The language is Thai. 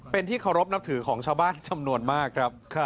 เป็นที่เคารพนับถือของชาวบ้านจำนวนมากครับ